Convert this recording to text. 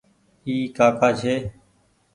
اي ڪآڪآ ڇي ۔